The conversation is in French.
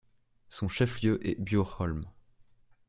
Son chef-lieu est Bjurholm.